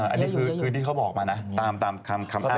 อันนี้คือที่เขาบอกมานะตามคำอ้าง